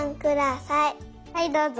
はいどうぞ。